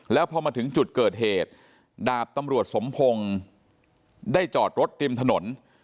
แล้วพอมาถึงจุดเกิดเหตุดาบตำรวจสมพงศ์ได้จอดรถริมถนน